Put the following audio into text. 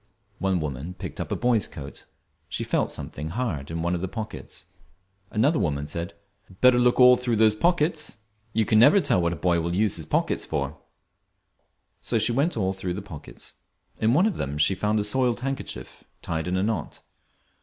One woman picked up a boy's coat. She felt something, hard in one of the pockets. Another woman said, "Better look all through those pockets; you can never tell what a boy will use his pockets for." So she went all through the pockets. In one of them she found a soiled handkerchief tied in a knot.